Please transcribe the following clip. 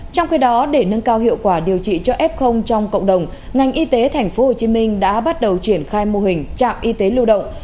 trong khi đó để nâng cao hiệu quả điều trị cho f trong cộng đồng ngành y tế tp hcm đã bắt đầu triển khai mô hình trạm y tế lưu động